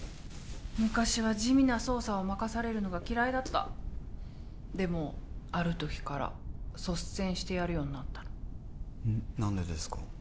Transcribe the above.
昔は地味な捜査を任されるのが嫌いだったでもある時から率先してやるようになったの何でですか？